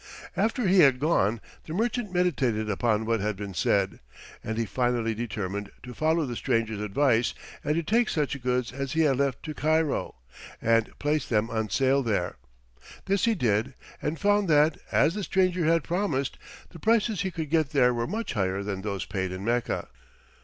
After he had gone the merchant meditated upon what had been said, and he finally determined to follow the stranger's advice and to take such goods as he had left to Cairo, and place them on sale there. This he did and found that, as the stranger had promised, the prices he could get there were much higher than those paid in Mecca.